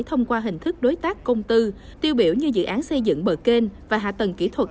thông qua hình thức đối tác công tư tiêu biểu như dự án xây dựng bờ kênh và hạ tầng kỹ thuật